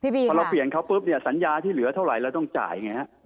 พอเราเปลี่ยนเขาปุ๊บเนี่ยสัญญาที่เหลือเท่าไหร่เราต้องจ่ายไงฮะ